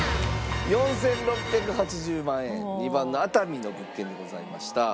４６８０万円２番の熱海の物件でございました。